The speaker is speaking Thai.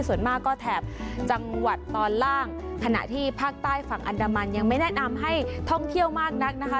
ส่วนมากก็แถบจังหวัดตอนล่างขณะที่ภาคใต้ฝั่งอันดามันยังไม่แนะนำให้ท่องเที่ยวมากนักนะคะ